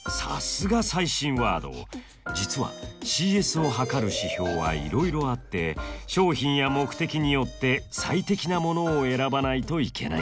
実はＣＳを測る指標はいろいろあって商品や目的によって最適なものを選ばないといけないんです。